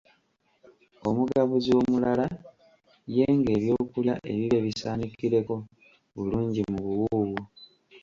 Omugabuzi omulala ye ng'eby’okulya ebibye bisaanikireko bulungi mu buwuuwo.